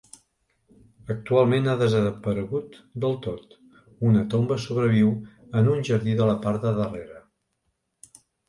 Actualment ha desaparegut del tot; una tomba sobreviu en un jardí de la part de darrere.